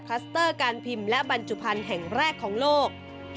สเตอร์การพิมพ์และบรรจุภัณฑ์แห่งแรกของโลก